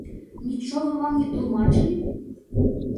Нічога вам не тлумачылі?